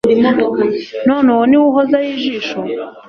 none uwo ni we uhozaho ijisho